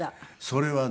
それはね